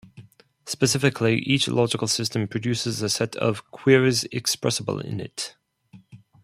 Specifically, each logical system produces a set of queries expressible in it.